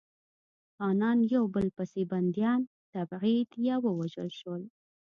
خانان یو په بل پسې بندیان، تبعید یا ووژل شول.